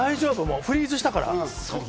フリーズしたから。